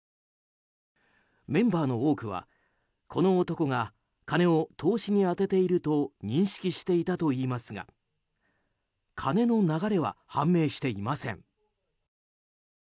メンバーの多くは、この男が金を投資に充てていると認識していたといいますが金の流れは判明していません。